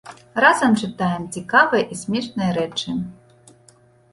Разам чытаем цікавыя і смешныя рэчы.